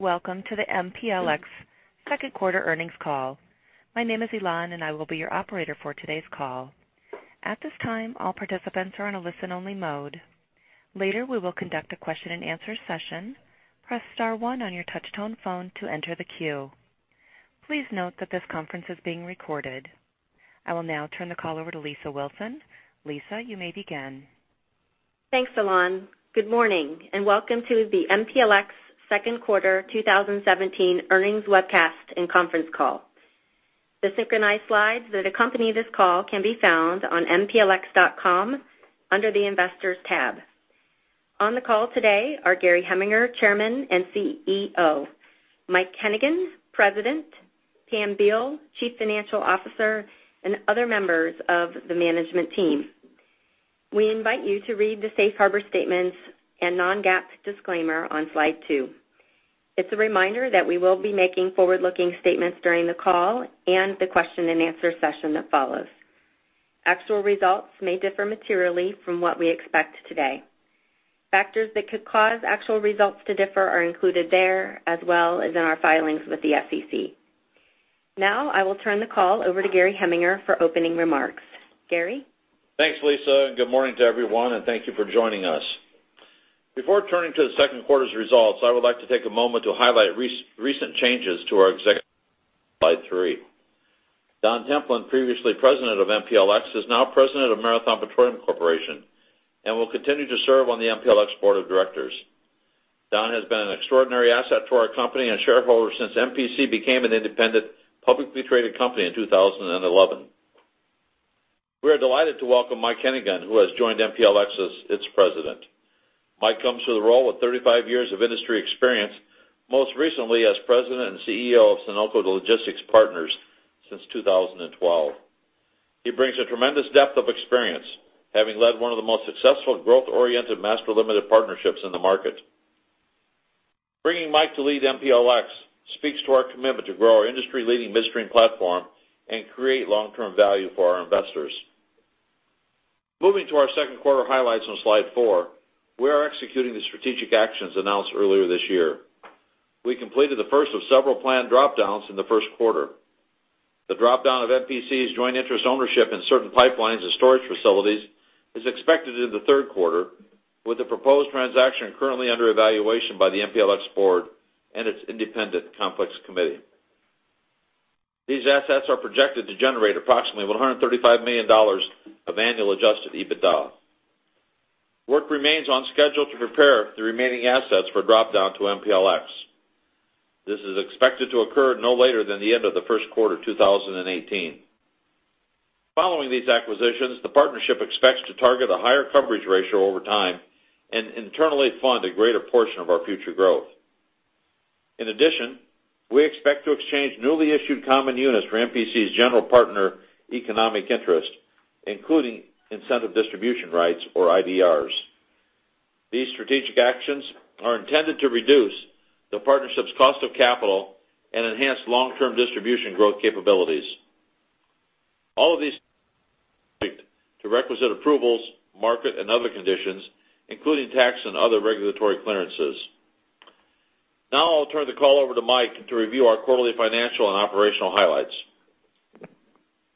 Welcome to the MPLX second quarter earnings call. My name is Elan, and I will be your operator for today's call. At this time, all participants are on a listen-only mode. Later, we will conduct a question and answer session. Press star one on your touch-tone phone to enter the queue. Please note that this conference is being recorded. I will now turn the call over to Lisa Wilson. Lisa, you may begin. Thanks, Elan. Good morning, and welcome to the MPLX second quarter 2017 earnings webcast and conference call. The synchronized slides that accompany this call can be found on mplx.com under the Investors tab. On the call today are Gary Heminger, Chairman and CEO; Mike Hennigan, President; Pam Beall, Chief Financial Officer, and other members of the management team. We invite you to read the safe harbor statements and non-GAAP disclaimer on slide two. It's a reminder that we will be making forward-looking statements during the call and the question and answer session that follows. Actual results may differ materially from what we expect today. Factors that could cause actual results to differ are included there, as well as in our filings with the SEC. I will turn the call over to Gary Heminger for opening remarks. Gary? Thanks, Lisa. Good morning to everyone, and thank you for joining us. Before turning to the second quarter's results, I would like to take a moment to highlight recent changes to our executive slide three. Don Templin, previously President of MPLX, is now President of Marathon Petroleum Corporation, and will continue to serve on the MPLX board of directors. Don has been an extraordinary asset to our company and shareholders since MPC became an independent, publicly traded company in 2011. We are delighted to welcome Mike Hennigan, who has joined MPLX as its president. Mike comes to the role with 35 years of industry experience, most recently as President and CEO of Sunoco Logistics Partners since 2012. He brings a tremendous depth of experience, having led one of the most successful, growth-oriented master limited partnerships in the market. Bringing Mike to lead MPLX speaks to our commitment to grow our industry-leading midstream platform and create long-term value for our investors. Moving to our second quarter highlights on slide four, we are executing the strategic actions announced earlier this year. We completed the first of several planned drop-downs in the first quarter. The drop-down of MPC's joint interest ownership in certain pipelines and storage facilities is expected in the third quarter, with the proposed transaction currently under evaluation by the MPLX board and its independent conflicts committee. These assets are projected to generate approximately $135 million of annual adjusted EBITDA. Work remains on schedule to prepare the remaining assets for drop-down to MPLX. This is expected to occur no later than the end of the first quarter 2018. Following these acquisitions, the partnership expects to target a higher coverage ratio over time and internally fund a greater portion of our future growth. In addition, we expect to exchange newly issued common units for MPC's general partner economic interest, including incentive distribution rights, or IDRs. These strategic actions are intended to reduce the partnership's cost of capital and enhance long-term distribution growth capabilities. All of these are subject to requisite approvals, market, and other conditions, including tax and other regulatory clearances. I'll turn the call over to Mike to review our quarterly financial and operational highlights.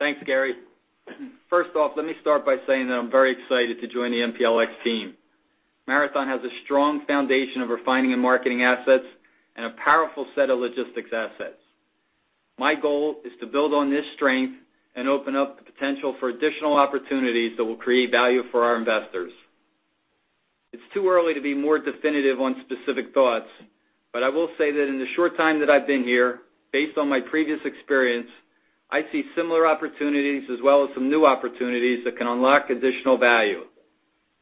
Thanks, Gary. First off, let me start by saying that I'm very excited to join the MPLX team. Marathon has a strong foundation of refining and marketing assets and a powerful set of logistics assets. My goal is to build on this strength and open up the potential for additional opportunities that will create value for our investors. It's too early to be more definitive on specific thoughts, but I will say that in the short time that I've been here, based on my previous experience, I see similar opportunities as well as some new opportunities that can unlock additional value.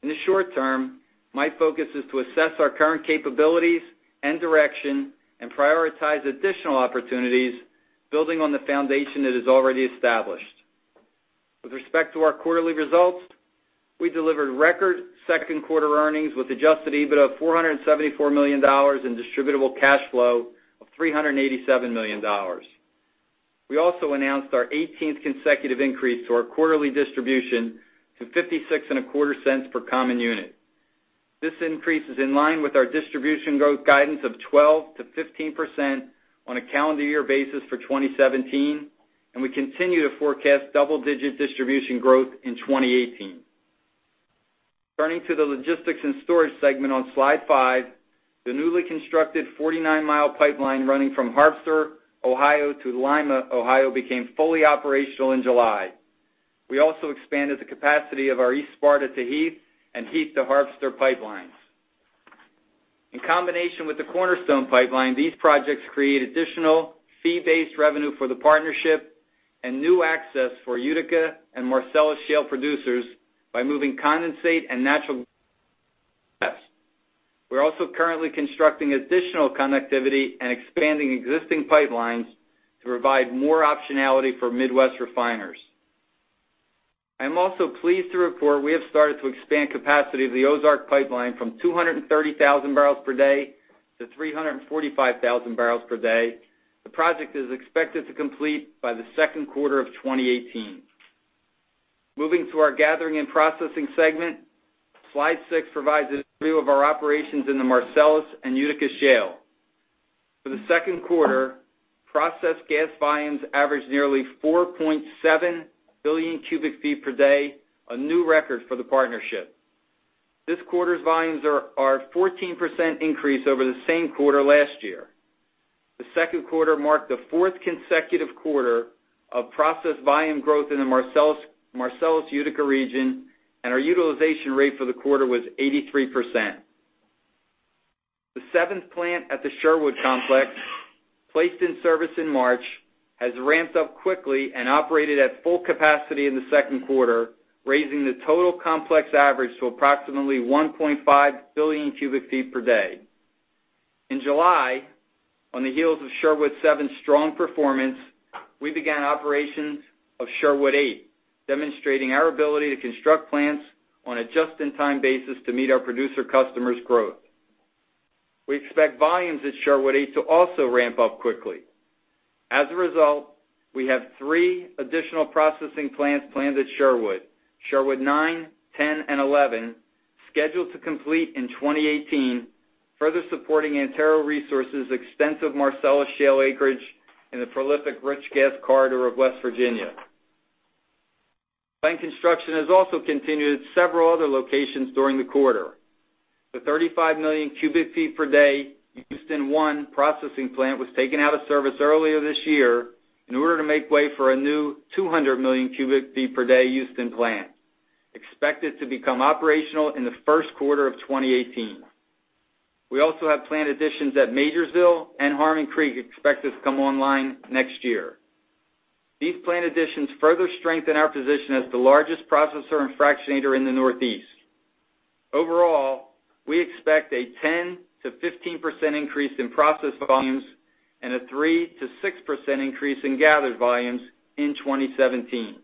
In the short term, my focus is to assess our current capabilities and direction and prioritize additional opportunities, building on the foundation that is already established. With respect to our quarterly results, we delivered record second quarter earnings with adjusted EBITDA of $474 million and distributable cash flow of $387 million. We also announced our 18th consecutive increase to our quarterly distribution to 56 and a quarter cents per common unit. This increase is in line with our distribution growth guidance of 12%-15% on a calendar year basis for 2017, and we continue to forecast double-digit distribution growth in 2018. Turning to the Logistics and Storage segment on slide five, the newly constructed 49-mile pipeline running from Harpster, Ohio, to Lima, Ohio, became fully operational in July. We also expanded the capacity of our East Sparta to Heath and Heath to Harpster pipelines. In combination with the Cornerstone Pipeline, these projects create additional fee-based revenue for the partnership and new access for Utica and Marcellus Shale producers by moving condensate and natural. We're also currently constructing additional connectivity and expanding existing pipelines to provide more optionality for Midwest refiners. I'm also pleased to report we have started to expand capacity of the Ozark Pipeline from 230,000 barrels per day to 345,000 barrels per day. The project is expected to complete by the second quarter of 2018. Moving to our Gathering and Processing segment. Slide six provides a view of our operations in the Marcellus and Utica Shale. For the second quarter, processed gas volumes averaged nearly 4.7 billion cubic feet per day, a new record for the partnership. This quarter's volumes are a 14% increase over the same quarter last year. The second quarter marked the fourth consecutive quarter of processed volume growth in the Marcellus Utica region, and our utilization rate for the quarter was 83%. The seventh plant at the Sherwood complex, placed in service in March, has ramped up quickly and operated at full capacity in the second quarter, raising the total complex average to approximately 1.5 billion cubic feet per day. In July, on the heels of Sherwood Seven's strong performance, we began operations of Sherwood Eight, demonstrating our ability to construct plants on a just-in-time basis to meet our producer customers' growth. We expect volumes at Sherwood Eight to also ramp up quickly. As a result, we have three additional processing plants planned at Sherwood 9, 10, and 11, scheduled to complete in 2018, further supporting Antero Resources' extensive Marcellus Shale acreage in the prolific rich gas corridor of West Virginia. Plant construction has also continued at several other locations during the quarter. The 35 million cubic feet per day Houston 1 processing plant was taken out of service earlier this year in order to make way for a new 200 million cubic feet per day Houston plant, expected to become operational in the first quarter of 2018. We also have plant additions at Majorsville and Harmon Creek expected to come online next year. These plant additions further strengthen our position as the largest processor and fractionator in the Northeast. Overall, we expect a 10%-15% increase in processed volumes and a 3%-6% increase in gathered volumes in 2017.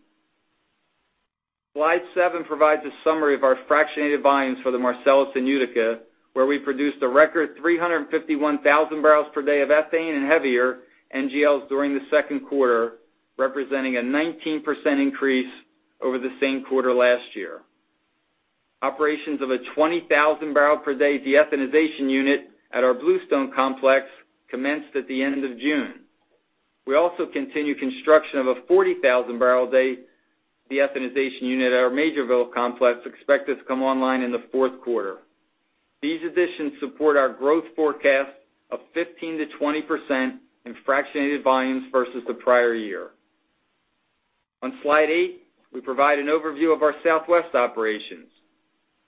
Slide seven provides a summary of our fractionated volumes for the Marcellus and Utica, where we produced a record 351,000 barrels per day of ethane and heavier NGLs during the second quarter, representing a 19% increase over the same quarter last year. Operations of a 20,000 barrel per day de-ethanization unit at our Bluestone complex commenced at the end of June. We also continue construction of a 40,000 barrel a day de-ethanization unit at our Majorsville complex, expected to come online in the fourth quarter. These additions support our growth forecast of 15%-20% in fractionated volumes versus the prior year. On slide eight, we provide an overview of our Southwest operations.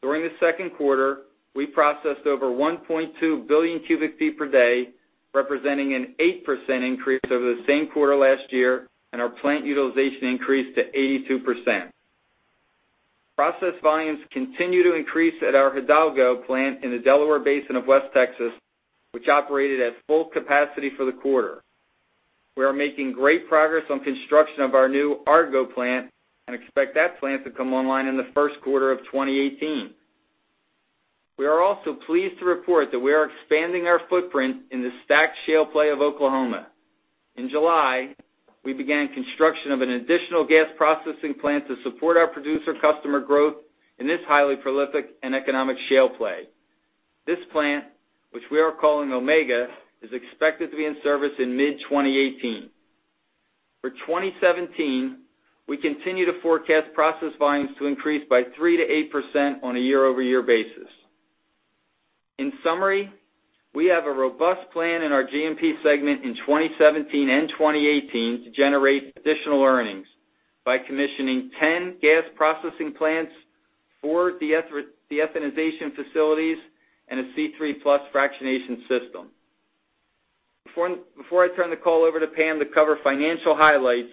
During the second quarter, we processed over 1.2 billion cubic feet per day, representing an 8% increase over the same quarter last year, and our plant utilization increased to 82%. Processed volumes continue to increase at our Hidalgo plant in the Delaware Basin of West Texas, which operated at full capacity for the quarter. We are making great progress on construction of our new Argo Plant and expect that plant to come online in the first quarter of 2018. We are also pleased to report that we are expanding our footprint in the STACK Shale play of Oklahoma. In July, we began construction of an additional gas processing plant to support our producer customer growth in this highly prolific and economic shale play. This plant, which we are calling Omega, is expected to be in service in mid-2018. For 2017, we continue to forecast processed volumes to increase by 3%-8% on a year-over-year basis. In summary, we have a robust plan in our G&P segment in 2017 and 2018 to generate additional earnings by commissioning 10 gas processing plants, four de-ethanization facilities, and a C3+ fractionation system. Before I turn the call over to Pam to cover financial highlights,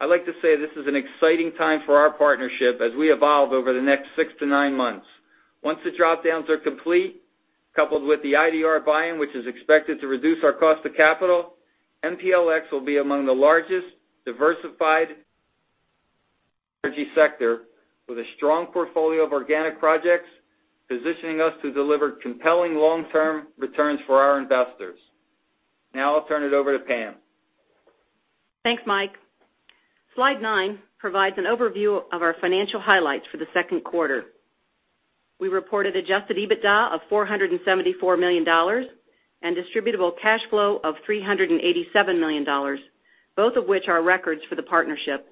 I'd like to say this is an exciting time for our partnership as we evolve over the next six to nine months. Once the drop-downs are complete, coupled with the [IDR buying], which is expected to reduce our cost of capital, MPLX will be among the largest diversified energy sector with a strong portfolio of organic projects, positioning us to deliver compelling long-term returns for our investors. Now I'll turn it over to Pam. Thanks, Mike. Slide nine provides an overview of our financial highlights for the second quarter. We reported adjusted EBITDA of $474 million and distributable cash flow of $387 million, both of which are records for the partnership.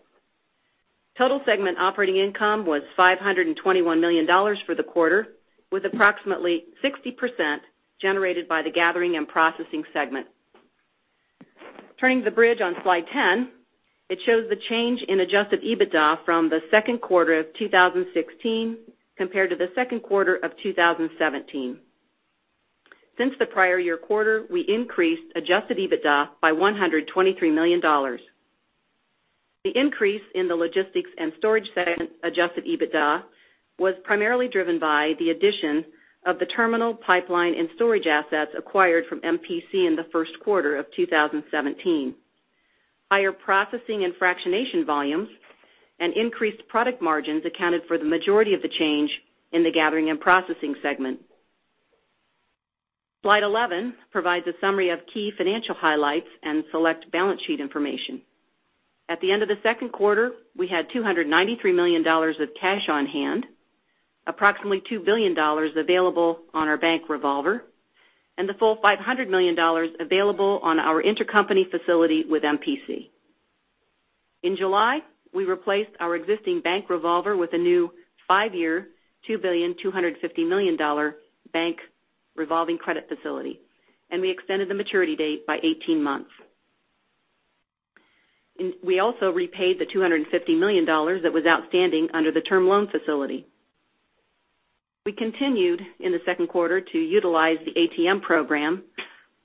Total segment operating income was $521 million for the quarter, with approximately 60% generated by the Gathering and Processing Segment. Turning to the bridge on slide 10, it shows the change in adjusted EBITDA from the second quarter of 2016 compared to the second quarter of 2017. Since the prior year quarter, we increased adjusted EBITDA by $123 million. The increase in the Logistics and Storage Segment adjusted EBITDA was primarily driven by the addition of the terminal pipeline and storage assets acquired from MPC in the first quarter of 2017. Higher processing and fractionation volumes and increased product margins accounted for the majority of the change in the Gathering and Processing Segment. Slide 11 provides a summary of key financial highlights and select balance sheet information. At the end of the second quarter, we had $293 million of cash on hand, approximately $2 billion available on our bank revolver, and the full $500 million available on our intercompany facility with MPC. In July, we replaced our existing bank revolver with a new five-year, $2.25 billion bank revolving credit facility, and we extended the maturity date by 18 months. We also repaid the $250 million that was outstanding under the term loan facility. We continued, in the second quarter, to utilize the ATM program,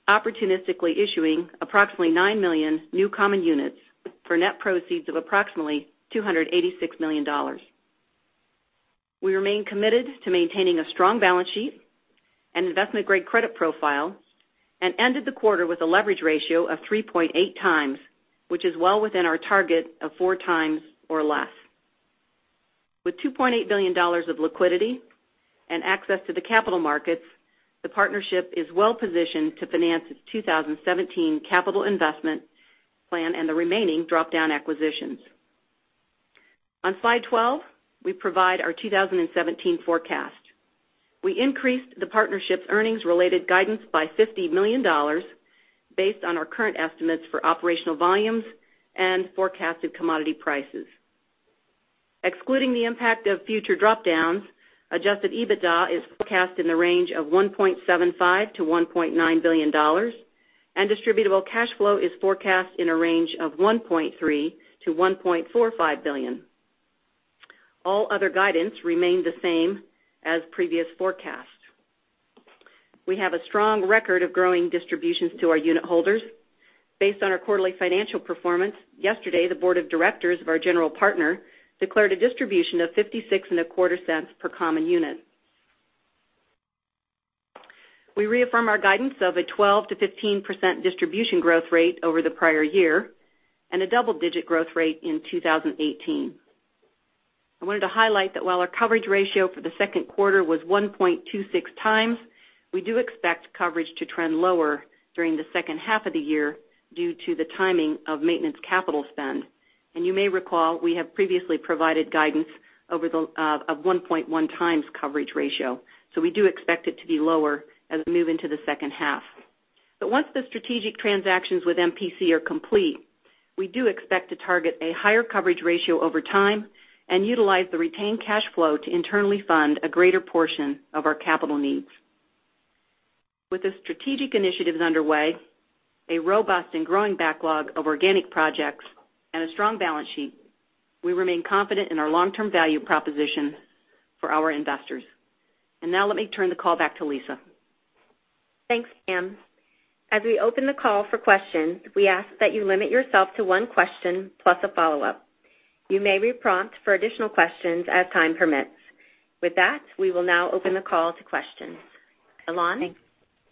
opportunistically issuing approximately 9 million new common units for net proceeds of approximately $286 million. We remain committed to maintaining a strong balance sheet, an investment-grade credit profile, and ended the quarter with a leverage ratio of 3.8 times, which is well within our target of four times or less. With $2.8 billion of liquidity and access to the capital markets, the partnership is well-positioned to finance its 2017 capital investment plan and the remaining drop-down acquisitions. On slide 12, we provide our 2017 forecast. We increased the partnership's earnings-related guidance by $50 million based on our current estimates for operational volumes and forecasted commodity prices. Excluding the impact of future drop-downs, adjusted EBITDA is forecast in the range of $1.75 billion-$1.9 billion, and distributable cash flow is forecast in a range of $1.3 billion-$1.45 billion. All other guidance remained the same as previous forecasts. We have a strong record of growing distributions to our unit holders. Based on our quarterly financial performance, yesterday, the board of directors of our general partner declared a distribution of 56 and a quarter cents per common unit. We reaffirm our guidance of a 12%-15% distribution growth rate over the prior year and a double-digit growth rate in 2018. I wanted to highlight that while our coverage ratio for the second quarter was 1.26 times, we do expect coverage to trend lower during the second half of the year due to the timing of maintenance capital spend. You may recall, we have previously provided guidance of 1.1 times coverage ratio. We do expect it to be lower as we move into the second half. Once the strategic transactions with MPC are complete, we do expect to target a higher coverage ratio over time and utilize the retained cash flow to internally fund a greater portion of our capital needs. With the strategic initiatives underway, a robust and growing backlog of organic projects, and a strong balance sheet, we remain confident in our long-term value proposition for our investors. Now let me turn the call back to Lisa. Thanks, Pam. As we open the call for questions, we ask that you limit yourself to one question plus a follow-up. You may be prompted for additional questions as time permits. With that, we will now open the call to questions. Elan?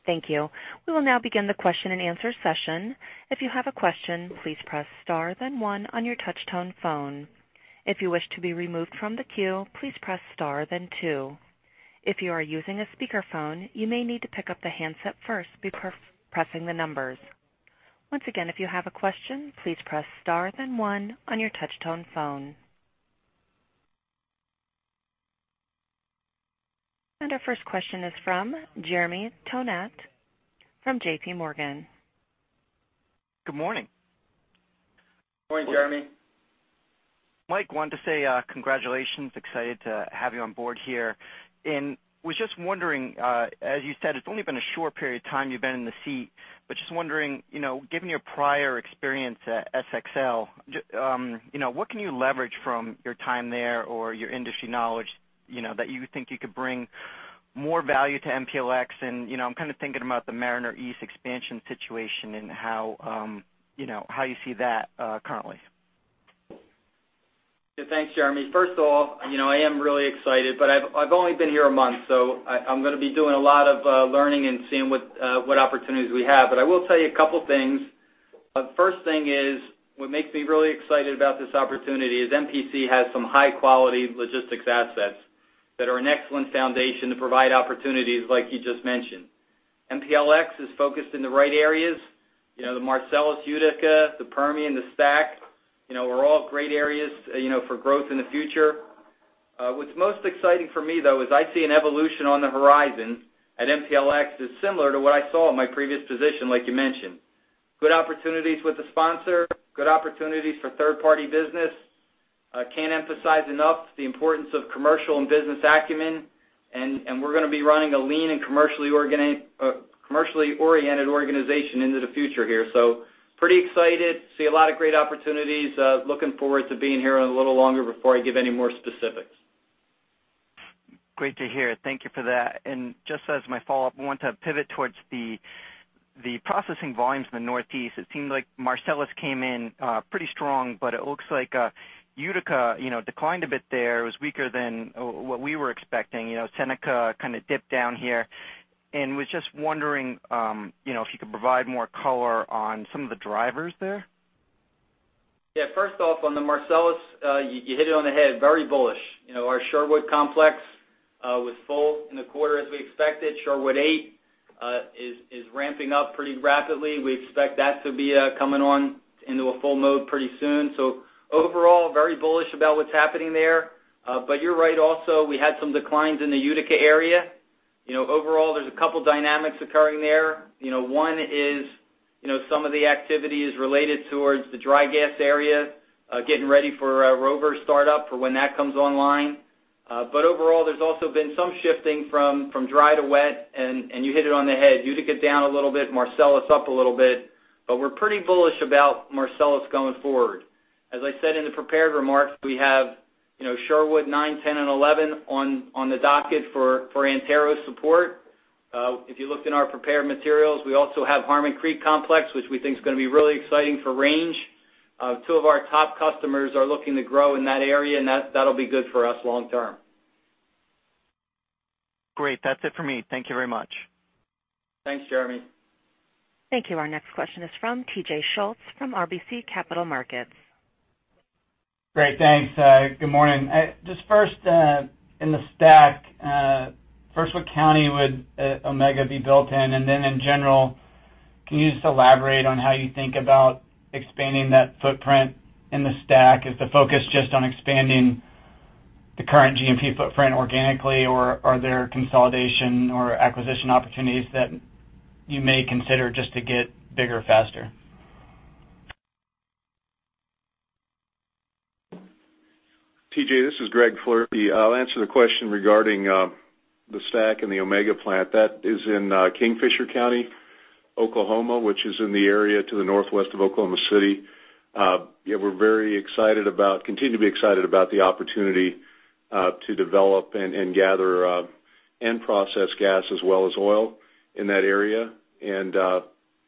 Thank you. We will now begin the question-and-answer session. If you have a question, please press star then one on your touch-tone phone. If you wish to be removed from the queue, please press star then two. If you are using a speakerphone, you may need to pick up the handset first before pressing the numbers. Once again, if you have a question, please press star then one on your touch-tone phone. Our first question is from Jeremy Tonet from J.P. Morgan. Good morning. Morning, Jeremy. Mike, wanted to say congratulations. Excited to have you on board here. I was just wondering, as you said, it's only been a short period of time you've been in the seat, but just wondering, given your prior experience at SXL, what can you leverage from your time there or your industry knowledge, that you think you could bring more value to MPLX and I'm kind of thinking about the Mariner East expansion situation and how you see that currently. Yeah. Thanks, Jeremy. First of all, I am really excited, I've only been here a month, so I'm going to be doing a lot of learning and seeing what opportunities we have. I will tell you a couple things. First thing is, what makes me really excited about this opportunity is MPC has some high-quality logistics assets that are an excellent foundation to provide opportunities like you just mentioned. MPLX is focused in the right areas. The Marcellus Utica, the Permian, the STACK, are all great areas for growth in the future. What's most exciting for me, though, is I see an evolution on the horizon at MPLX that's similar to what I saw at my previous position, like you mentioned. Good opportunities with the sponsor, good opportunities for third-party business. I can't emphasize enough the importance of commercial and business acumen. We're going to be running a lean and commercially-oriented organization into the future here. Pretty excited, see a lot of great opportunities. Looking forward to being here a little longer before I give any more specifics. Great to hear. Thank you for that. Just as my follow-up, I wanted to pivot towards the processing volumes in the Northeast. It seemed like Marcellus came in pretty strong. It looks like Utica declined a bit there. It was weaker than what we were expecting. Seneca kind of dipped down here. Was just wondering if you could provide more color on some of the drivers there? First off, on the Marcellus, you hit it on the head, very bullish. Our Sherwood complex was full in the quarter as we expected. Sherwood 8 is ramping up pretty rapidly. We expect that to be coming on into a full mode pretty soon. Overall, very bullish about what's happening there. You're right also, we had some declines in the Utica area. Overall, there's a couple dynamics occurring there. One is some of the activity is related towards the dry gas area, getting ready for Rover startup for when that comes online. Overall, there's also been some shifting from dry to wet. You hit it on the head. Utica down a little bit, Marcellus up a little bit. We're pretty bullish about Marcellus going forward. As I said in the prepared remarks, we have Sherwood 9, 10 and 11 on the docket for Antero's support. If you looked in our prepared materials, we also have Harmon Creek Complex, which we think is going to be really exciting for Range. Two of our top customers are looking to grow in that area, and that'll be good for us long term. Great. That's it for me. Thank you very much. Thanks, Jeremy. Thank you. Our next question is from T.J. Schultz from RBC Capital Markets. Great. Thanks. Good morning. Just first, in the STACK, first, what county would Omega be built in? In general, can you just elaborate on how you think about expanding that footprint in the STACK? Is the focus just on expanding the current G&P footprint organically or are there consolidation or acquisition opportunities that you may consider just to get bigger faster? T.J., this is Greg Floerke. I'll answer the question regarding the STACK and the Omega Plant. That is in Kingfisher County, Oklahoma, which is in the area to the northwest of Oklahoma City. We continue to be excited about the opportunity to develop and gather and process gas as well as oil in that area.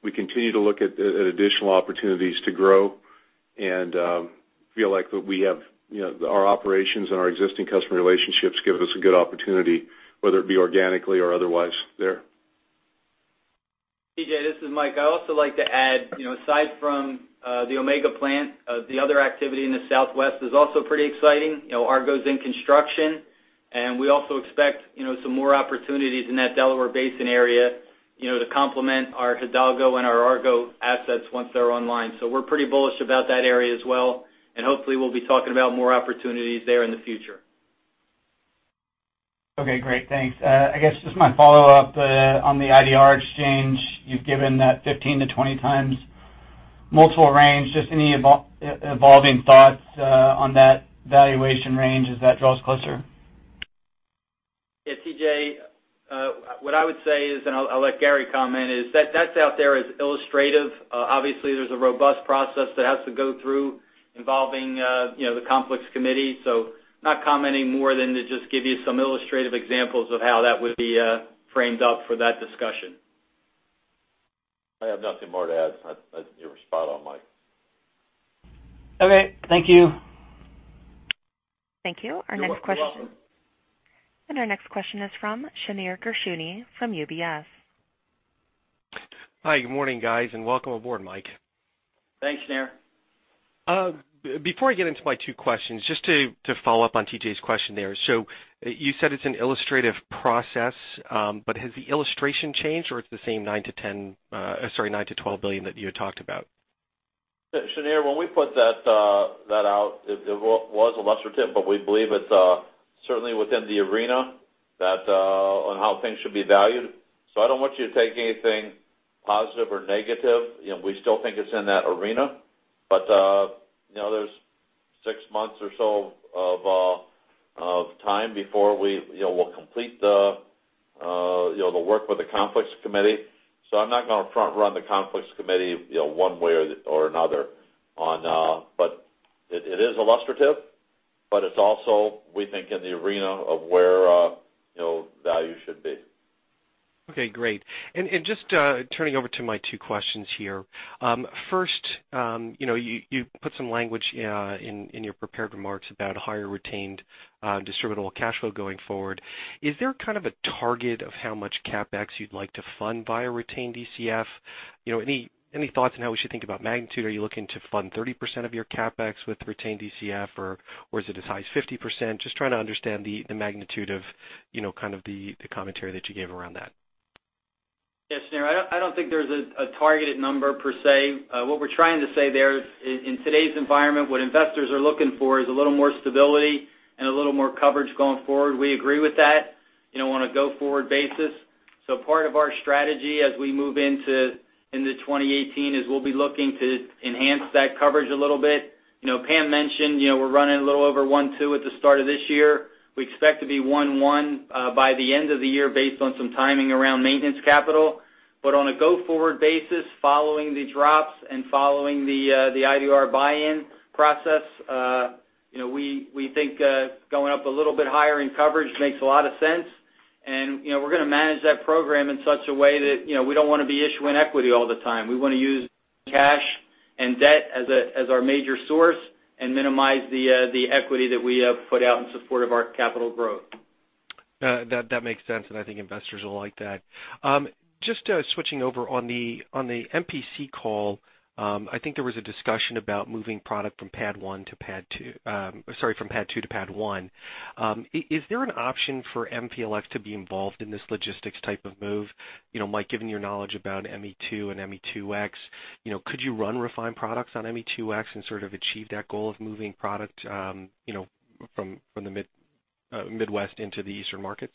We continue to look at additional opportunities to grow and feel like our operations and our existing customer relationships give us a good opportunity, whether it be organically or otherwise there. T.J., this is Mike. I also like to add, aside from the Omega Plant, the other activity in the Southwest is also pretty exciting. Argo's in construction, we also expect some more opportunities in that Delaware Basin area to complement our Hidalgo and our Argo assets once they're online. We're pretty bullish about that area as well, hopefully we'll be talking about more opportunities there in the future. Okay, great. Thanks. My follow-up on the IDR exchange, you've given that 15-20 times multiple range, any evolving thoughts on that valuation range as that draws closer? T.J., what I would say, and I'll let Gary comment, that's out there as illustrative. Obviously, there's a robust process that has to go through involving the conflicts committee. Not commenting more than to just give you some illustrative examples of how that would be framed up for that discussion. I have nothing more to add. You were spot on, Mike. Okay. Thank you. Thank you. You're welcome. Our next question is from Shneur Gershuni from UBS. Hi, good morning, guys, and welcome aboard, Mike. Thanks, Shneur. Before I get into my two questions, just to follow up on T.J.'s question there. You said it's an illustrative process, but has the illustration changed or it's the same $9 billion-$12 billion that you had talked about? Shneur, when we put that out, it was illustrative, but we believe it's certainly within the arena on how things should be valued. I don't want you to take anything positive or negative. We still think it's in that arena. There's six months or so of time before we'll complete the work with the conflicts committee. I'm not going to front run the conflicts committee one way or another. It is illustrative, but it's also, we think, in the arena of where value should be. Okay, great. Just turning over to my two questions here. First, you put some language in your prepared remarks about higher retained distributable cash flow going forward. Is there kind of a target of how much CapEx you'd like to fund via retained DCF? Any thoughts on how we should think about magnitude? Are you looking to fund 30% of your CapEx with retained DCF, or is it as high as 50%? Just trying to understand the magnitude of the commentary that you gave around that. Yes, Shneur, I don't think there's a targeted number per se. What we're trying to say there is in today's environment, what investors are looking for is a little more stability and a little more coverage going forward. We agree with that on a go-forward basis. Part of our strategy as we move into 2018 is we'll be looking to enhance that coverage a little bit. Pam mentioned we're running a little over one two at the start of this year. We expect to be one one by the end of the year based on some timing around maintenance capital. On a go-forward basis, following the drops and following the IDR buy-in process we think going up a little bit higher in coverage makes a lot of sense. We're going to manage that program in such a way that we don't want to be issuing equity all the time. We want to use cash and debt as our major source and minimize the equity that we have put out in support of our capital growth. That makes sense, and I think investors will like that. Just switching over, on the MPC call, I think there was a discussion about moving product from PADD 2 to PADD 1. Is there an option for MPLX to be involved in this logistics type of move? Mike, given your knowledge about ME2 and ME2X, could you run refined products on ME2X and sort of achieve that goal of moving product from the Midwest into the Eastern markets?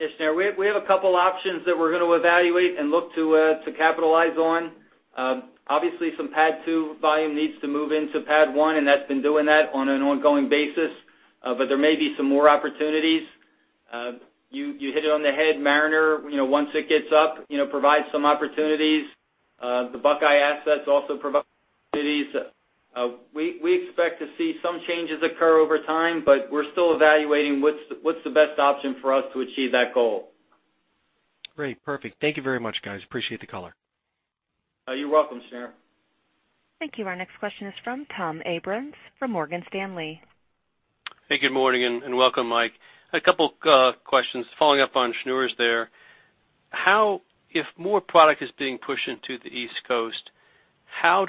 Yes, there. We have a couple options that we're going to evaluate and look to capitalize on. Obviously, some PADD 2 volume needs to move into PADD 1, and that's been doing that on an ongoing basis. But there may be some more opportunities. You hit it on the head. Mariner, once it gets up, provides some opportunities. The Buckeye assets also provide opportunities. We expect to see some changes occur over time, but we're still evaluating what's the best option for us to achieve that goal. Great. Perfect. Thank you very much, guys. Appreciate the call. You're welcome, Shneur. Thank you. Our next question is from Tom Abrams from Morgan Stanley. Hey. Good morning, and welcome, Mike. A couple questions following up on Shneur's there. If more product is being pushed into the East Coast, are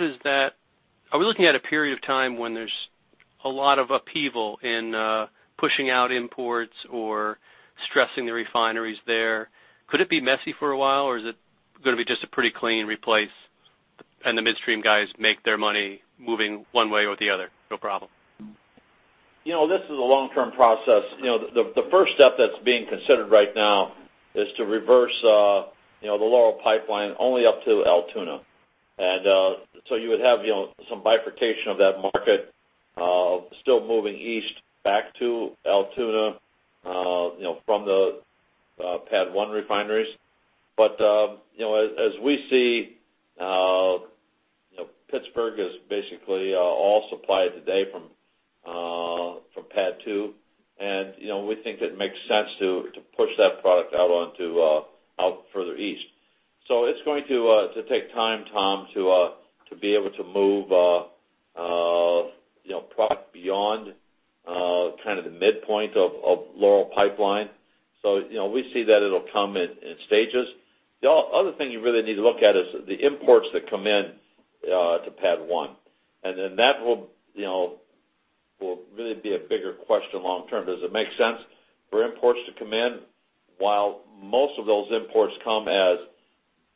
we looking at a period of time when there's a lot of upheaval in pushing out imports or stressing the refineries there? Could it be messy for a while, or is it going to be just a pretty clean replace, and the midstream guys make their money moving one way or the other, no problem? This is a long-term process. The first step that's being considered right now is to reverse the Laurel Pipeline only up to Altoona. You would have some bifurcation of that market still moving east back to Altoona from the PADD 1 refineries. As we see, Pittsburgh is basically all supplied today from PADD 2. We think it makes sense to push that product out further east. It's going to take time, Tom, to be able to move product beyond kind of the midpoint of Laurel Pipeline. We see that it'll come in stages. The other thing you really need to look at is the imports that come in to PADD 1. That will really be a bigger question long term. Does it make sense for imports to come in? While most of those imports come as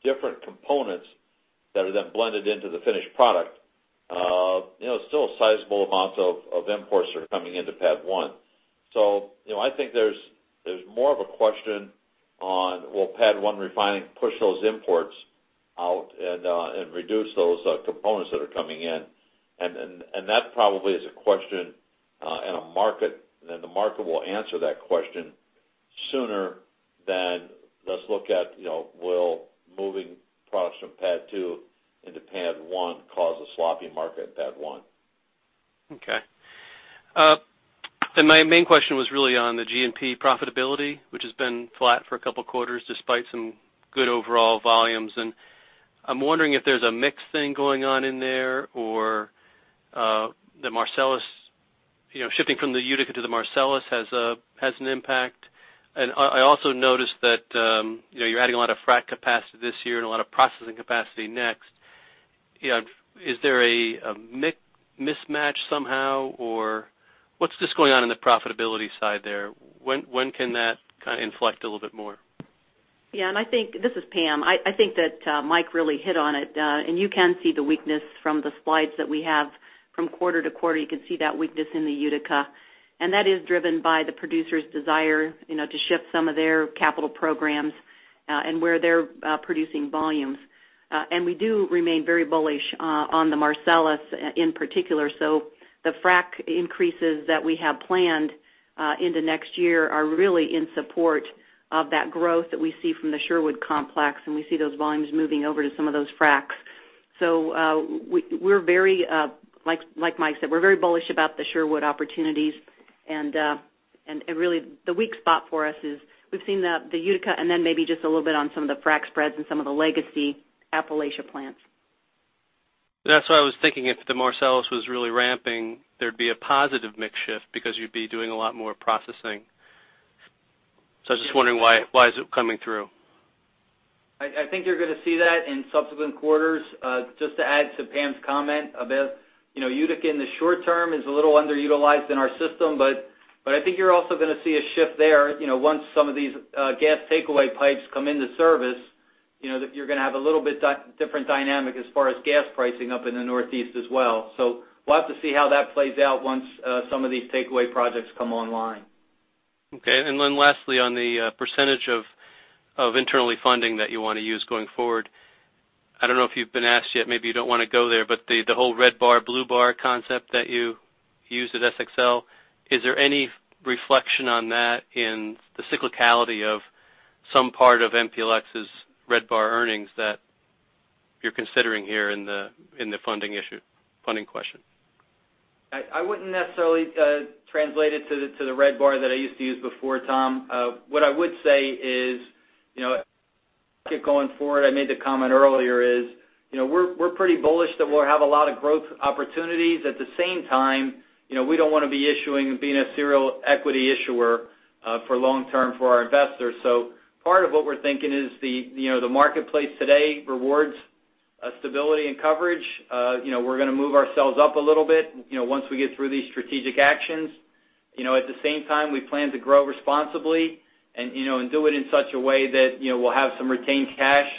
different components that are then blended into the finished product, still sizable amounts of imports are coming into PADD 1. I think there's more of a question on will PADD 1 refining push those imports out and reduce those components that are coming in? That probably is a question and the market will answer that question sooner than let's look at will moving products from PADD 2 into PADD 1 cause a sloppy market at PADD 1. My main question was really on the G&P profitability, which has been flat for a couple of quarters despite some good overall volumes. I'm wondering if there's a mix thing going on in there or the Marcellus—shifting from the Utica to the Marcellus has an impact. I also noticed that you're adding a lot of frack capacity this year and a lot of processing capacity next. Is there a mismatch somehow? What's just going on in the profitability side there? When can that kind of inflect a little bit more? This is Pam. I think that Mike really hit on it. You can see the weakness from the slides that we have from quarter to quarter. You can see that weakness in the Utica. That is driven by the producer's desire to shift some of their capital programs and where they're producing volumes. We do remain very bullish on the Marcellus in particular. The frack increases that we have planned into next year are really in support of that growth that we see from the Sherwood Complex, and we see those volumes moving over to some of those fracks. Like Mike said, we're very bullish about the Sherwood opportunities. Really, the weak spot for us is we've seen the Utica and then maybe just a little bit on some of the frack spreads and some of the legacy Appalachia plants. That's why I was thinking if the Marcellus was really ramping, there'd be a positive mix shift because you'd be doing a lot more processing. I was just wondering why is it coming through? I think you're going to see that in subsequent quarters. Just to add to Pam's comment a bit. Utica in the short term is a little underutilized in our system, but I think you're also going to see a shift there once some of these gas takeaway pipes come into service. You're going to have a little bit different dynamic as far as gas pricing up in the Northeast as well. We'll have to see how that plays out once some of these takeaway projects come online. Lastly on the % of internally funding that you want to use going forward. I don't know if you've been asked yet, maybe you don't want to go there, but the whole red bar, blue bar concept that you used at SXL, is there any reflection on that in the cyclicality of some part of MPLX's red bar earnings that you're considering here in the funding question? I wouldn't necessarily translate it to the red bar that I used to use before, Tom. What I would say is, keep going forward. I made the comment earlier is, we're pretty bullish that we'll have a lot of growth opportunities. At the same time, we don't want to be issuing, being a serial equity issuer for long term for our investors. Part of what we're thinking is the marketplace today rewards stability and coverage. We're going to move ourselves up a little bit, once we get through these strategic actions. At the same time, we plan to grow responsibly and do it in such a way that we'll have some retained cash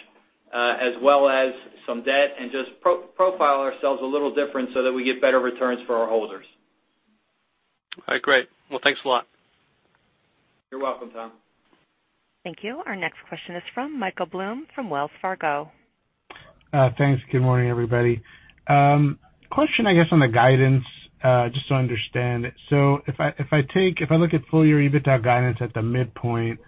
as well as some debt, and just profile ourselves a little different so that we get better returns for our holders. All right, great. Well, thanks a lot. You're welcome, Tom. Thank you. Our next question is from Michael Blum from Wells Fargo. Thanks. Good morning, everybody. Question I guess, on the guidance, just so I understand. If I look at full year EBITDA guidance at the midpoint,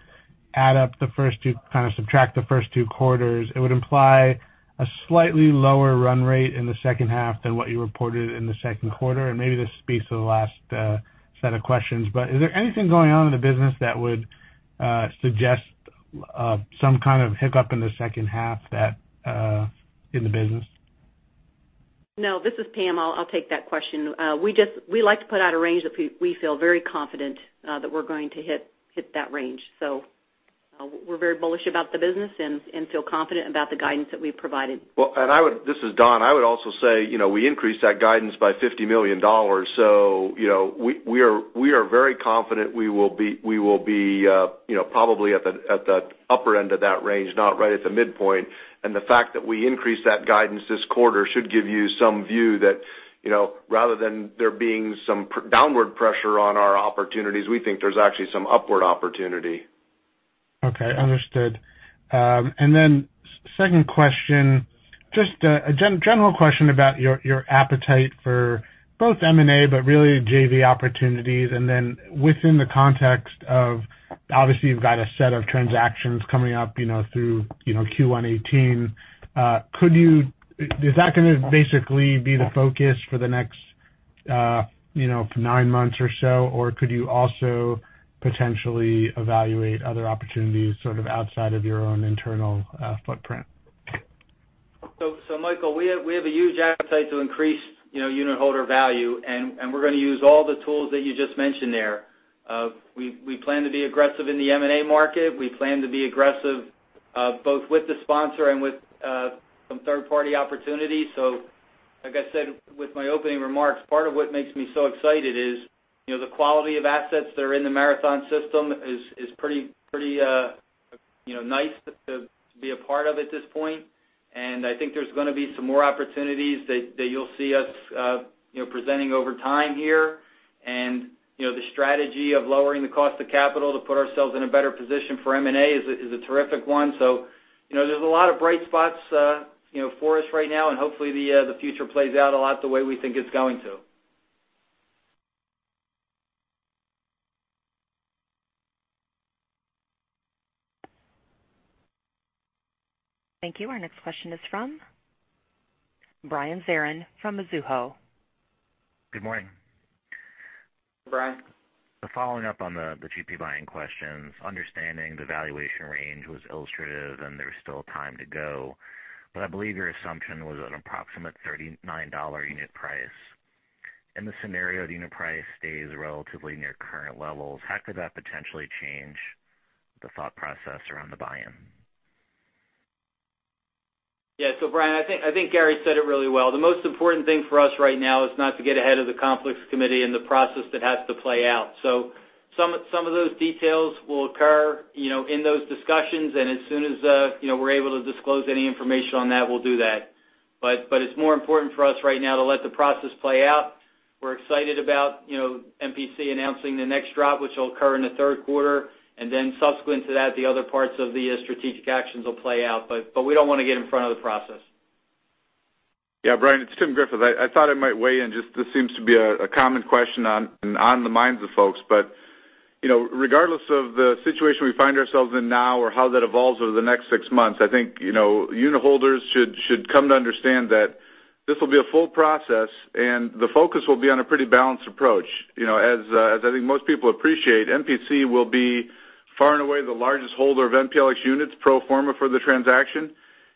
kind of subtract the first two quarters, it would imply a slightly lower run rate in the second half than what you reported in the second quarter. Maybe this speaks to the last set of questions, but is there anything going on in the business that would suggest some kind of hiccup in the second half in the business? No, this is Pam. I'll take that question. We like to put out a range that we feel very confident that we're going to hit that range. We're very bullish about the business and feel confident about the guidance that we've provided. Well, this is Don. I would also say, we increased that guidance by $50 million. We are very confident we will be probably at the upper end of that range, not right at the midpoint. The fact that we increased that guidance this quarter should give you some view that, rather than there being some downward pressure on our opportunities, we think there's actually some upward opportunity. Second question, just a general question about your appetite for both M&A, but really JV opportunities, and then within the context of, obviously, you've got a set of transactions coming up through Q1 2018. Is that going to basically be the focus for the next nine months or so, or could you also potentially evaluate other opportunities sort of outside of your own internal footprint? Michael, we have a huge appetite to increase unitholder value, and we're going to use all the tools that you just mentioned there. We plan to be aggressive in the M&A market. We plan to be aggressive both with the sponsor and with some third-party opportunities. Like I said with my opening remarks, part of what makes me so excited is the quality of assets that are in the Marathon system is pretty nice to be a part of at this point. I think there's going to be some more opportunities that you'll see us presenting over time here. The strategy of lowering the cost of capital to put ourselves in a better position for M&A is a terrific one. There's a lot of bright spots for us right now, and hopefully the future plays out a lot the way we think it's going to. Thank you. Our next question is from Brian Zeron from Mizuho. Good morning. Brian. Following up on the GP buying questions, understanding the valuation range was illustrative, and there was still time to go, but I believe your assumption was at an approximate $39 unit price. In the scenario the unit price stays relatively near current levels, how could that potentially change the thought process around the buy-in? Brian, I think Gary said it really well. The most important thing for us right now is not to get ahead of the conflicts committee and the process that has to play out. Some of those details will occur in those discussions, and as soon as we're able to disclose any information on that, we'll do that. It's more important for us right now to let the process play out. We're excited about MPC announcing the next drop, which will occur in the third quarter, and then subsequent to that, the other parts of the strategic actions will play out. We don't want to get in front of the process. Brian, it's Tim Griffith. I thought I might weigh in, just this seems to be a common question and on the minds of folks. Regardless of the situation we find ourselves in now or how that evolves over the next six months, I think unitholders should come to understand that this will be a full process, and the focus will be on a pretty balanced approach. As I think most people appreciate, MPC will be far and away the largest holder of MPLX units pro forma for the transaction.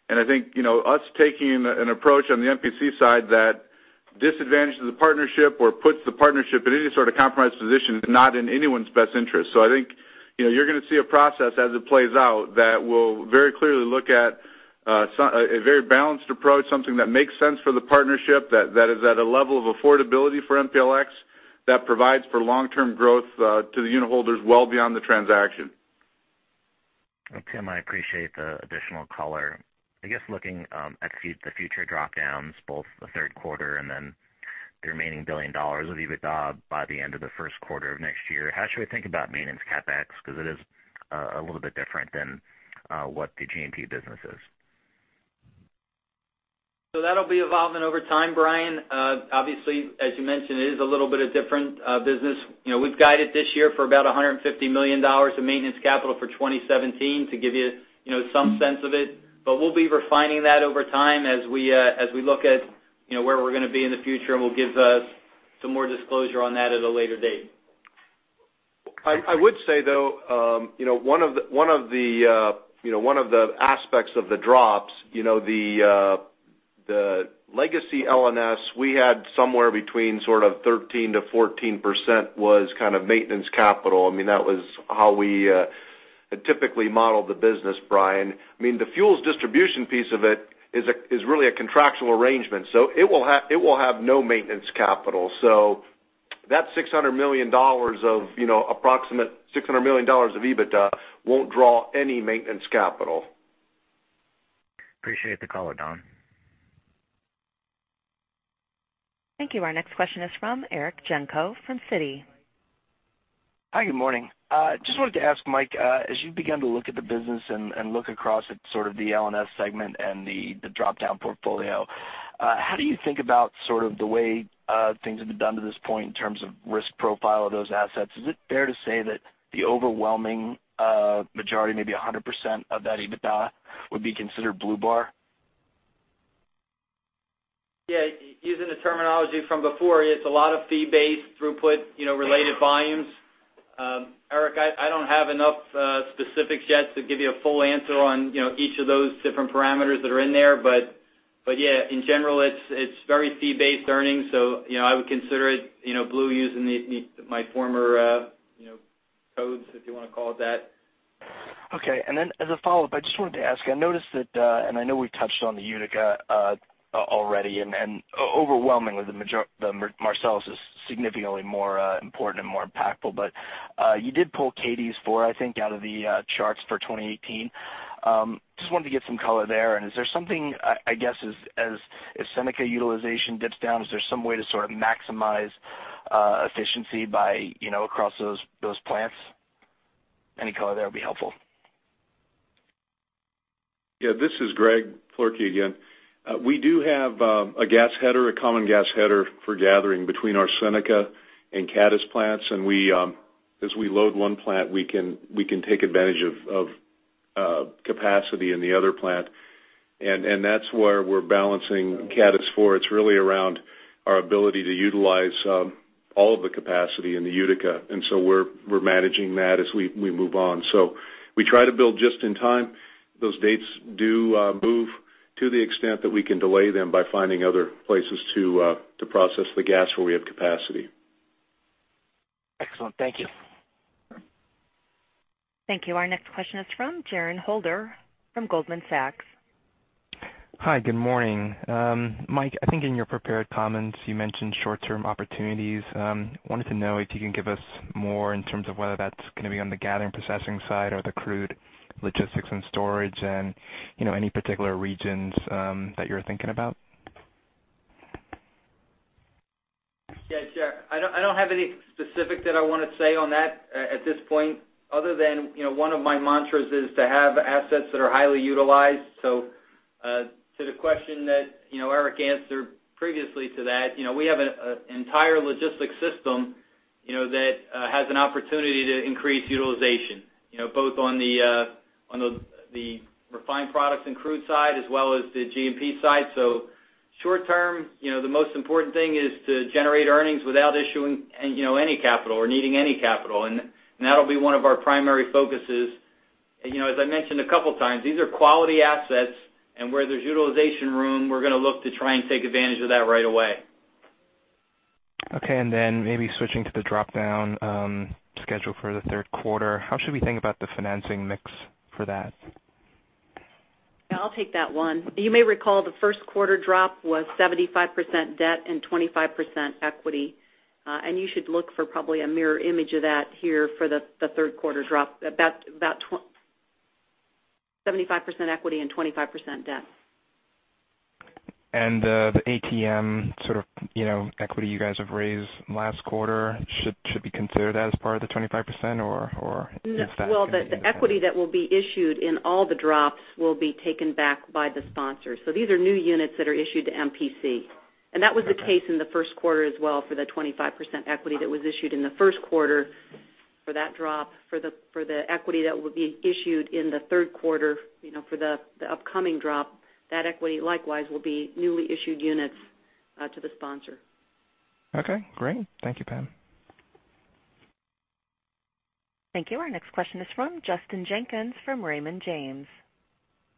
I think, us taking an approach on the MPC side that disadvantages the partnership or puts the partnership in any sort of compromised position is not in anyone's best interest. I think you're going to see a process as it plays out that will very clearly look at a very balanced approach, something that makes sense for the partnership, that is at a level of affordability for MPLX, that provides for long-term growth to the unitholders well beyond the transaction. Tim, I appreciate the additional color. I guess, looking at the future drop-downs, both the third quarter and then the remaining $1 billion of EBITDA by the end of the first quarter of next year, how should we think about maintenance CapEx? Because it is a little bit different than what the G&P business is. That'll be evolving over time, Brian. Obviously, as you mentioned, it is a little bit of different business. We've guided this year for about $150 million of maintenance capital for 2017 to give you some sense of it. We'll be refining that over time as we look at where we're going to be in the future, and we'll give some more disclosure on that at a later date. I would say though, one of the aspects of the drops, the legacy L&S, we had somewhere between sort of 13%-14% was kind of maintenance capital. That was how we typically modeled the business, Brian. The fuels distribution piece of it is really a contractual arrangement, it will have no maintenance capital. That approximate $600 million of EBITDA won't draw any maintenance capital. Appreciate the color, Don. Thank you. Our next question is from Eric Jenko from Citi. Hi, good morning. Just wanted to ask Mike, as you begin to look at the business and look across at sort of the L&S segment and the drop-down portfolio, how do you think about sort of the way things have been done to this point in terms of risk profile of those assets? Is it fair to say that the overwhelming majority, maybe 100% of that EBITDA, would be considered blue bar? Yeah. Using the terminology from before, it's a lot of fee-based throughput, related volumes. Eric, I don't have enough specifics yet to give you a full answer on each of those different parameters that are in there. Yeah, in general, it's very fee-based earnings. I would consider it blue using my former codes, if you want to call it that. Okay. As a follow-up, I just wanted to ask, I noticed that, I know we touched on the Utica already, overwhelmingly the Marcellus is significantly more important and more impactful. You did pull Cadiz 4, I think, out of the charts for 2018. Just wanted to get some color there. Is there something, I guess, as Seneca utilization dips down, is there some way to sort of maximize efficiency by across those plants? Any color there would be helpful. This is Greg Floerke again. We do have a common gas header for gathering between our Seneca and Cadiz plants. As we load one plant, we can take advantage of capacity in the other plant, that's where we're balancing Cadiz 4. It's really around our ability to utilize all of the capacity in the Utica, we're managing that as we move on. We try to build just in time. Those dates do move to the extent that we can delay them by finding other places to process the gas where we have capacity. Excellent. Thank you. Thank you. Our next question is from Jaron Holder from Goldman Sachs. Hi. Good morning. Mike, I think in your prepared comments, you mentioned short-term opportunities. Wanted to know if you can give us more in terms of whether that's going to be on the Gathering Processing side or the crude Logistics and Storage any particular regions that you're thinking about. Yeah. Sure. I don't have any specific that I want to say on that at this point other than one of my mantras is to have assets that are highly utilized. To the question that Eric answered previously to that, we have an entire logistics system that has an opportunity to increase utilization, both on the refined products and crude side, as well as the G&P side. Short term, the most important thing is to generate earnings without issuing any capital or needing any capital, and that'll be one of our primary focuses. I mentioned a couple of times, these are quality assets, and where there's utilization room, we're going to look to try and take advantage of that right away. Okay. Maybe switching to the drop-down schedule for the third quarter, how should we think about the financing mix for that? Yeah, I'll take that one. You may recall the first quarter drop was 75% debt and 25% equity. You should look for probably a mirror image of that here for the third quarter drop, about 75% equity and 25% debt. The ATM sort of equity you guys have raised last quarter should be considered as part of the 25%, or is that? Well, the equity that will be issued in all the drops will be taken back by the sponsors. These are new units that are issued to MPC. Okay. That was the case in the first quarter as well for the 25% equity that was issued in the first quarter for that drop. For the equity that will be issued in the third quarter for the upcoming drop, that equity likewise will be newly issued units to the sponsor. Okay, great. Thank you, Pam. Thank you. Our next question is from Justin Jenkins from Raymond James.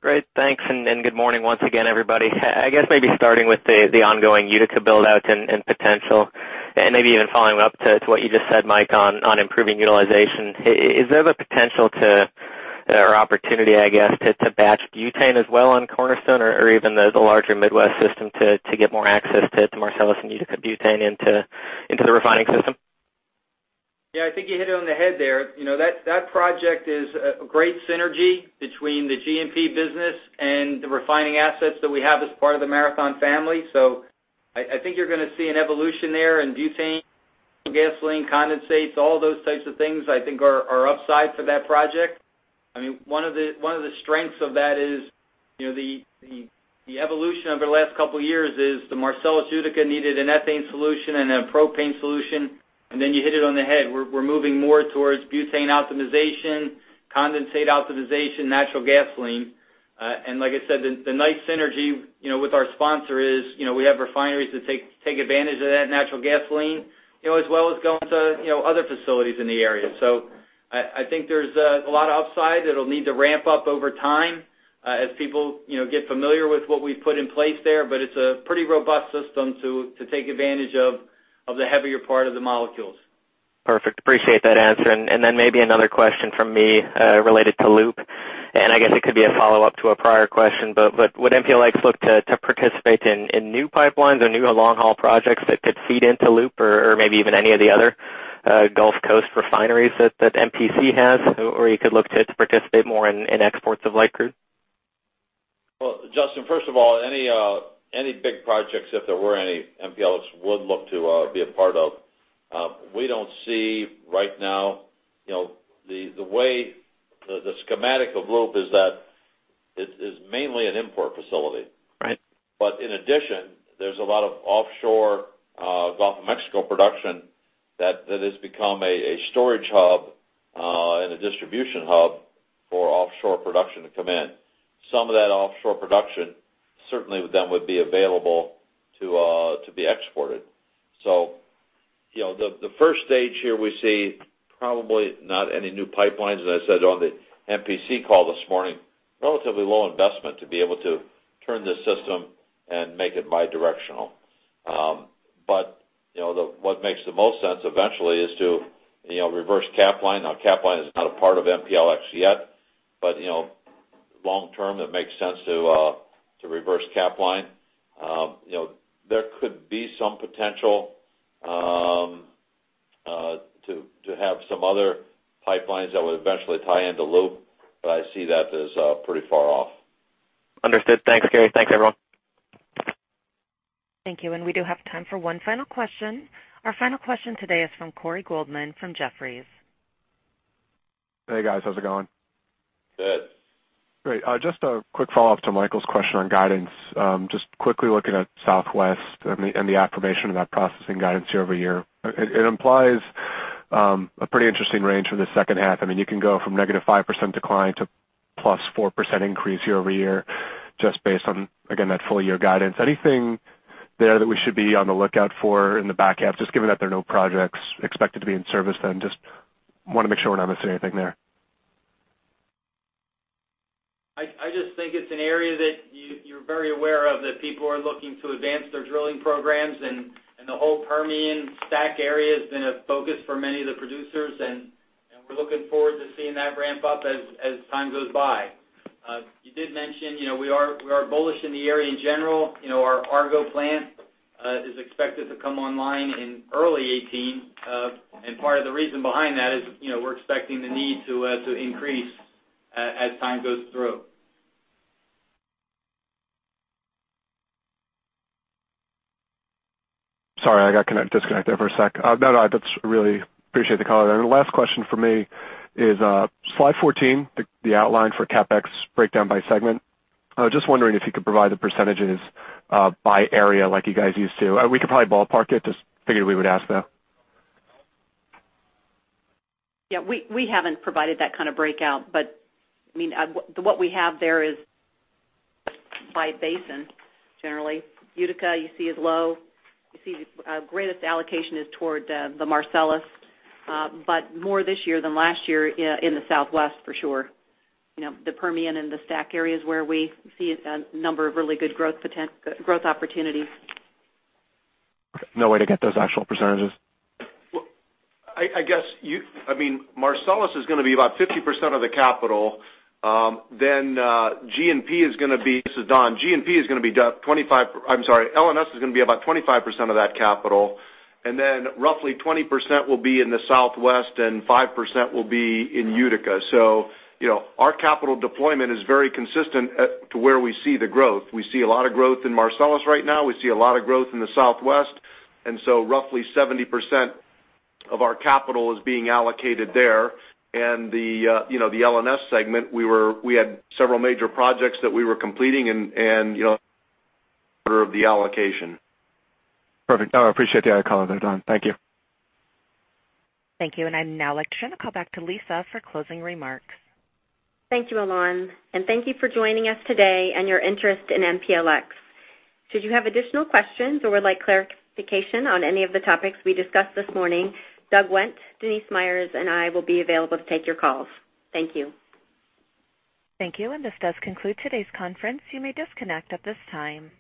Great. Thanks. Good morning once again, everybody. I guess maybe starting with the ongoing Utica build-out and potential, maybe even following up to what you just said, Mike, on improving utilization. Is there the potential to, or opportunity, I guess, to batch butane as well on Cornerstone or even the larger Midwest system to get more access to the Marcellus and Utica butane into the refining system? Yeah, I think you hit it on the head there. That project is a great synergy between the G&P business and the refining assets that we have as part of the Marathon family. I think you're going to see an evolution there in butane, gasoline condensates, all those types of things I think are upside for that project. One of the strengths of that is the evolution over the last 2 years is the Marcellus Utica needed an ethane solution and a propane solution, then you hit it on the head. We're moving more towards butane optimization, condensate optimization, natural gasoline. Like I said, the nice synergy with our sponsor is we have refineries that take advantage of that natural gasoline, as well as going to other facilities in the area. I think there's a lot of upside. It'll need to ramp up over time as people get familiar with what we've put in place there. It's a pretty robust system to take advantage of the heavier part of the molecules. Perfect. Appreciate that answer. Maybe another question from me related to LOOP, I guess it could be a follow-up to a prior question, but would MPLX look to participate in new pipelines or new long-haul projects that could feed into LOOP or maybe even any of the other Gulf Coast refineries that MPC has, or you could look to participate more in exports of light crude? Well, Justin, first of all, any big projects, if there were any, MPLX would look to be a part of. We don't see right now, the schematic of LOOP is that it is mainly an import facility. Right. In addition, there's a lot of offshore Gulf of Mexico production that has become a storage hub and a distribution hub for offshore production to come in. Some of that offshore production certainly then would be available to be exported. The stage 1 here, we see probably not any new pipelines, as I said on the MPC call this morning. Relatively low investment to be able to turn this system and make it bi-directional. What makes the most sense eventually is to reverse Capline. Now Capline is not a part of MPLX yet, long term, it makes sense to reverse Capline. There could be some potential to have some other pipelines that would eventually tie into LOOP, I see that as pretty far off. Understood. Thanks, Gary. Thanks, everyone. Thank you. We do have time for one final question. Our final question today is from Corey Tarlowe from Jefferies. Hey, guys. How's it going? Good. Great. Just a quick follow-up to Michael's question on guidance. Just quickly looking at Southwest and the affirmation of that processing guidance year-over-year, it implies a pretty interesting range for the second half. You can go from negative 5% decline to plus 4% increase year-over-year just based on, again, that full-year guidance. Anything there that we should be on the lookout for in the back half, just given that there are no projects expected to be in service then? Just want to make sure we're not missing anything there. I just think it's an area that you're very aware of, that people are looking to advance their drilling programs, and the whole Permian STACK area has been a focus for many of the producers, and we're looking forward to seeing that ramp up as time goes by. You did mention, we are bullish in the area in general. Our Argo Plant is expected to come online in early 2018. Part of the reason behind that is we're expecting the need to increase as time goes through. Sorry, I got disconnected there for a second. No, appreciate the color. The last question from me is, slide 14, the outline for CapEx breakdown by segment. I was just wondering if you could provide the percentages by area like you guys used to. We could probably ballpark it, just figured we would ask, though. We haven't provided that kind of breakout, but what we have there is by basin, generally. Utica, you see, is low. You see the greatest allocation is toward the Marcellus. More this year than last year in the Southwest, for sure. The Permian and the STACK areas where we see a number of really good growth opportunities. No way to get those actual percentages? Marcellus is going to be about 50% of the capital. This is Don. L&S is going to be about 25% of that capital, roughly 20% will be in the Southwest, 5% will be in Utica. Our capital deployment is very consistent to where we see the growth. We see a lot of growth in Marcellus right now. We see a lot of growth in the Southwest, roughly 70% of our capital is being allocated there. The L&S segment, we had several major projects that we were completing and of the allocation. Perfect. I appreciate the color there, Don. Thank you. Thank you. I'd now like to turn the call back to Lisa for closing remarks. Thank you, Alan, and thank you for joining us today and your interest in MPLX. Should you have additional questions or would like clarification on any of the topics we discussed this morning, Doug Wendt, Denice Myers, and I will be available to take your calls. Thank you. Thank you. This does conclude today's conference. You may disconnect at this time.